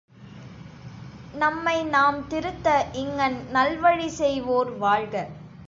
நம்மைநாம் திருத்த இங்ஙன் நல்வழி செய்வோர் வாழ்க!